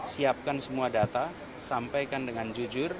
siapkan semua data sampaikan dengan jujur